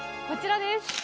こちらです。